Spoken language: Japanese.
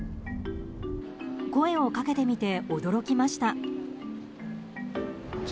声をかけてみて、驚きました。